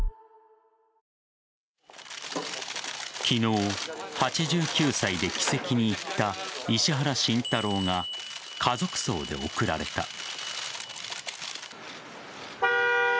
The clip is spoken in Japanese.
昨日、８９歳で鬼籍に入った石原慎太郎が家族葬で送られた。